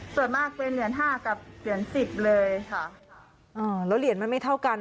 ส่วนมากเป็นเหรียญห้ากับเหรียญสิบเลยค่ะอ่าแล้วเหรียญมันไม่เท่ากัน